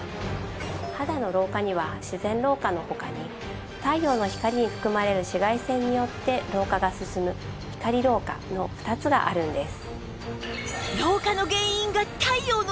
肌の老化には自然老化の他に太陽の光に含まれる紫外線によって老化が進む光老化の２つがあるんです。